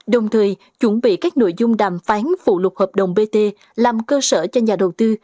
đồng thời chuẩn bị các nội dung đàm phán phụ lục hợp đồng bt làm cơ sở cho nhà đầu tư